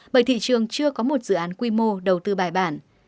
bởi thị trường chưa có một dự án quy mô đầu tư bài bản